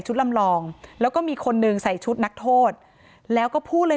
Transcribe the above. ลำลองแล้วก็มีคนหนึ่งใส่ชุดนักโทษแล้วก็พูดเลย